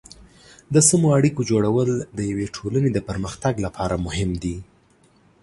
د سمو اړیکو جوړول د یوې ټولنې د پرمختګ لپاره مهم دي.